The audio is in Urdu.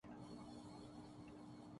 أور زور سے۔